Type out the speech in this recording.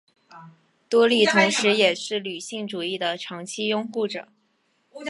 多莉同时也是女性主义的长期拥护者。